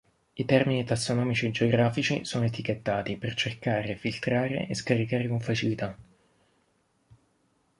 I termini tassonomici e geografici sono etichettati per cercare, filtrare e scaricare con facilità.